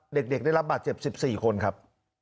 เด็กได้รับบาดเจ็บ๑๔คนครับ